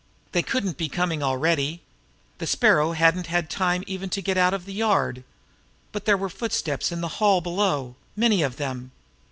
They couldn't be coming already! The Sparrow hadn't had time even to get out of the yard. But there were footsteps in the hall below, many of them.